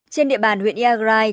trên địa bàn huyện yagrai